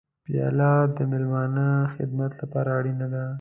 پیاله د میلمانه خدمت لپاره اړینه ده.